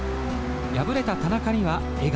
敗れた田中には笑顔。